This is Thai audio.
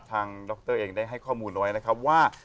ดรเองได้ให้ข้อมูลเอาไว้นะครับว่า